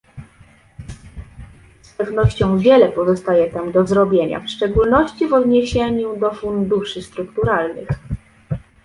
Z pewnością wiele pozostaje tam do zrobienia, w szczególności w odniesieniu do funduszy strukturalnych